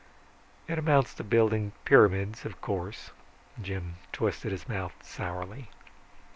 "It amounts to building pyramids, of course." Jim twisted his mouth sourly.